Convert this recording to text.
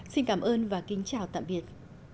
xin cảm ơn và kính chào tạm biệt